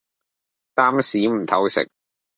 擔屎唔偷食